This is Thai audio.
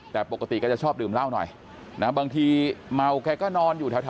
แต่ปกติแกจะชอบดื่มเหล้าหน่อยนะบางทีเมาแกก็นอนอยู่แถว